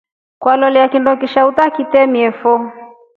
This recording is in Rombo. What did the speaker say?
Kwalolia kindo kisha utakireemiefo.